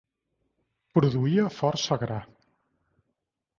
Produïa força gra.